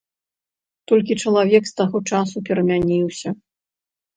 Толькі чалавек з таго часу перамяніўся.